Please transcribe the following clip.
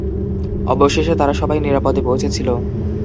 অবশেষে তারা সবাই নিরাপদে পৌঁছেছিল।